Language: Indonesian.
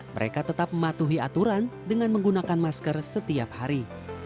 mereka tetap mematuhi aturan dengan menggunakan masker setiap hari